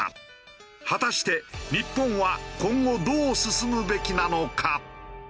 果たして日本は今後どう進むべきなのか？